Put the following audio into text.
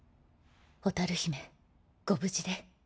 蛍姫ご無事で。